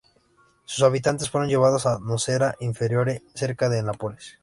Sus habitantes fueron llevados a Nocera Inferiore, cerca de Nápoles.